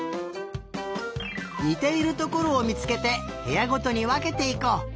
にているところをみつけてへやごとにわけていこう。